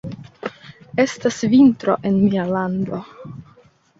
Estas vintro en mia lando.